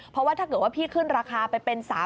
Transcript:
เพราะว่าถ้าเกิดว่าพี่ขึ้นราคาไปเป็น๓๐๐